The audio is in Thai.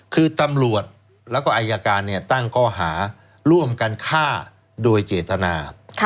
คือตำรวจแล้วก็อายการตั้งข้อหาร่วมกันฆ่าโดยเจตนา